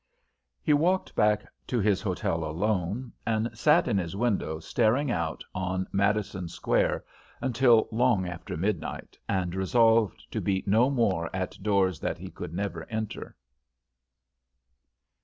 He walked back to his hotel alone, and sat in his window staring out on Madison Square until long after midnight, resolved to beat no more at doors that he could never enter.